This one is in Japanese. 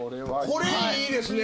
これいいですね。